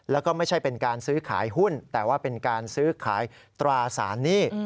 แล้วก็ไม่ใช่เป็นการซื้อขายหุ้นแต่ว่าเป็นการซื้อขายตราสารหนี้